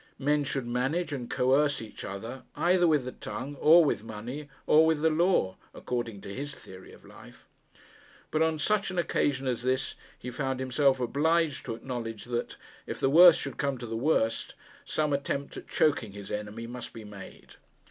Men should manage and coerce each other either with the tongue, or with money, or with the law according to his theory of life. But on such an occasion as this he found himself obliged to acknowledge that, if the worst should come to the worst, some attempt at choking his enemy must be made.